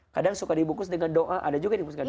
kadang suka dibukus dengan doa ada juga yang dibukus dengan doa